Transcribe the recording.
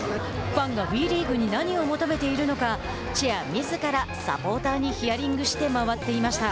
ファンがＷＥリーグに何を求めているのかチェアみずからサポーターにヒアリングして回っていました。